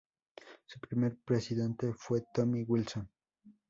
Su primer presidente fue Tommy Wilson.